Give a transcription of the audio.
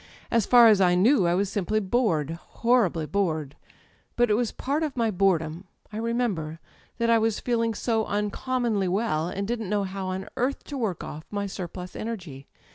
As far as I knew I was simply bored â€" horribly bored. But it was part of my boredom â€" I remember â€" ^that I was feeling so unconmionly well, and didn't know how on earth to work oflF my surplus energy.